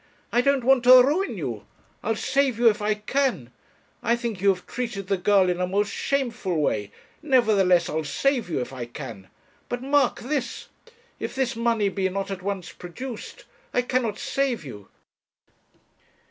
I don't want to ruin you; I'll save you if I can; I think you have treated the girl in a most shameful way, nevertheless I'll save you if I can; but mark this, if this money be not at once produced I cannot save you.'